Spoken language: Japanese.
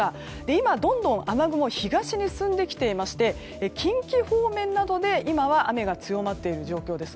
今、どんどん雨雲東に進んできていまして近畿方面などで今は雨が強まっている状況です。